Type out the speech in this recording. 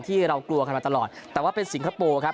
ที่เรากลัวกันมาตลอดแต่ว่าเป็นสิงคโปร์ครับ